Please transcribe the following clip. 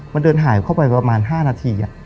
มันเดินหายเข้าไปประมาณ๕นาที